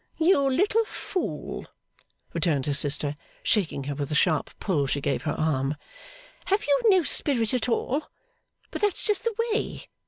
'You little Fool!' returned her sister, shaking her with the sharp pull she gave her arm. 'Have you no spirit at all? But that's just the way!